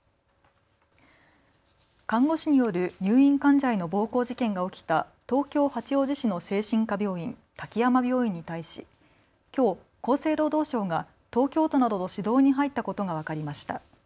看護師による入院患者への暴行事件が起きた東京八王子市の精神科病院、滝山病院に対しきょう厚生労働省が東京都などと指導に入ったことが分かりました。